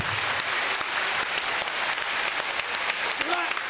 うまい！